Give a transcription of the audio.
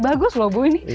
bagus loh bu ini